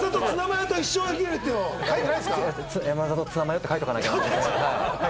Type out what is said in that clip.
「山里、ツナマヨ」って書いとかなきゃな。